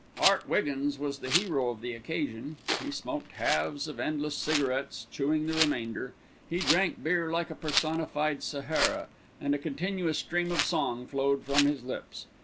Art Wiggins was the hero of the occasion. He smoked halves of endless cigarettes, chewing the remainder; he drank beer like a personified Sahara, and a continuous stream of song flowed from his lips.